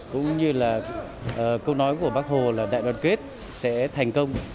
cũng như là câu nói của bác hồ là đại đoàn kết sẽ thành công